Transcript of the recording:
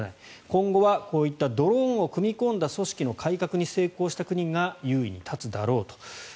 今後はこういったドローンを組み込んだ組織の改革に成功したものが優位に立つだろうと。